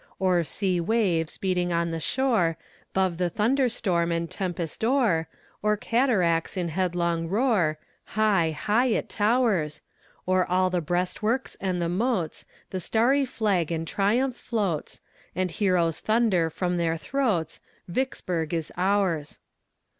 O'er sea waves beating on the shore, 'Bove the thunder storm and tempest o'er, O'er cataracts in headlong roar, High, high it towers. O'er all the breastworks and the moats, The Starry Flag in triumph floats, And heroes thunder from' their throats "Vicksburg is ours!"